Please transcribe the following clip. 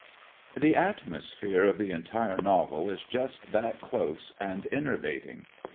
The atmosphere of the entire novel is just that close and enervating.